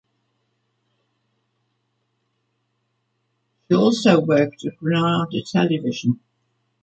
She also worked at Granada Television.